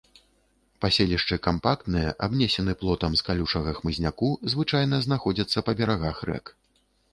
Паселішчы кампактныя, абнесены плотам з калючага хмызняку, звычайна знаходзяцца па берагах рэк.